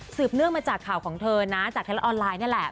เนื่องมาจากข่าวของเธอนะจากไทยรัฐออนไลน์นี่แหละ